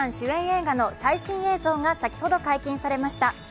映画の最新映像が先ほど解禁されました。